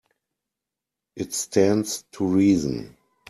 It stands to reason.